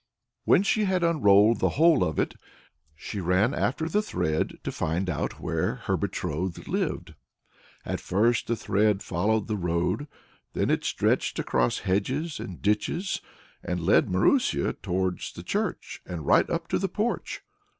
When she had unrolled the whole of it, she ran after the thread to find out where her betrothed lived. At first the thread followed the road, then it stretched across hedges and ditches, and led Marusia towards the church and right up to the porch.